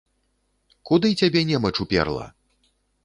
Куды цябе немач уперла?